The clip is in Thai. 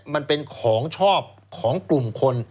มันเป็นของชอบของกลุ่มคน